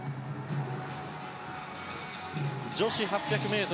女子８００ｍ